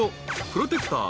プロテクター］